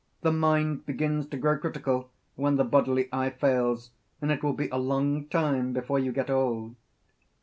The mind begins to grow critical when the bodily eye fails, and it will be a long time before you get old.'